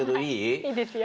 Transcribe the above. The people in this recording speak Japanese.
いいですよ。